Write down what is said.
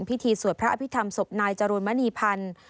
พิธีสวัสดิ์พระอภิษฐรรมศพนายจรวนมณีพันธ์